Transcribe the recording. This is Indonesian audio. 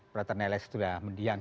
praterneles itu lah mendiang